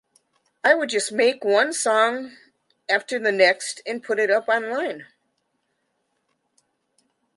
I would just make one song after the next and put it up online.